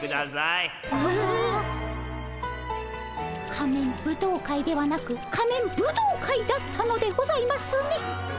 仮面舞踏会ではなく仮面ブドウ会だったのでございますね。